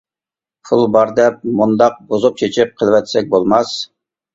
پۇل بار دەپ مۇنداق بۇزۇپ چىچىپ قىلىۋەتسەك بولماس.